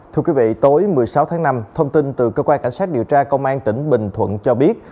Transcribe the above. thưa quý vị tối một mươi sáu tháng năm thông tin từ cơ quan cảnh sát điều tra công an tỉnh bình thuận cho biết